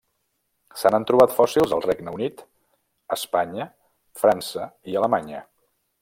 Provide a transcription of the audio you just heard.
Se n'han trobat fòssils al Regne Unit, Espanya, França i Alemanya.